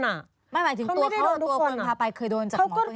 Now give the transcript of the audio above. หมายถึงตัวคนที่พาไปเคยโดนจากหมอคนนี้ไหม